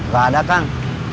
gak ada kang